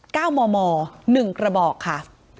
๙๑กระบอกค่ะ